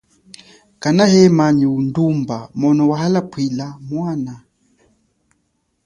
Kana hema nyi udumba mono wahapwila mwana.